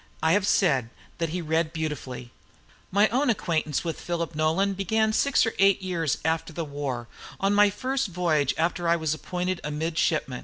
I have said that he read beautifully. My own acquaintance with Philip Nolan began six or eight years after the English war, on my first voyage after I was appointed a midshipman.